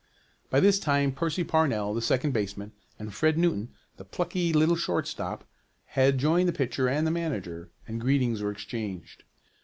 By this time Percy Parnell, the second baseman, and Fred Newton, the plucky little shortstop, had joined the pitcher and the manager, and greetings were exchanged.